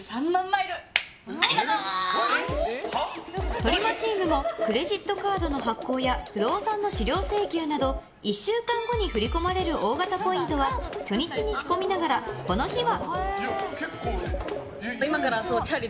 トリマチームもクレジットカードの発行や不動産の資料請求など１週間後に振り込まれる大型ポイントは初日に仕込みながら、この日は。